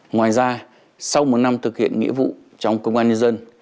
ngoài ra sau một năm thực hiện nghĩa vụ trong công an nhân dân